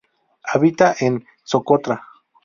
Habita en Socotra.